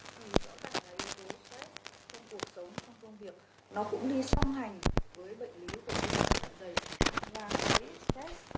thì rõ ràng là yếu tố sớm trong cuộc sống trong công việc nó cũng đi xong hành với bệnh viêm lét dạ dày